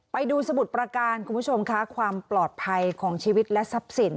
ไปดูสมุทรประการคุณผู้ชมค่ะความปลอดภัยของชีวิตและทรัพย์สิน